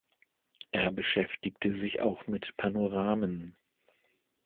Er beschäftigte sich auch mit Panoramen.